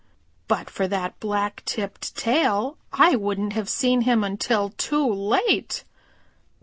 But for that black tipped tail I wouldn't have seen him until too late."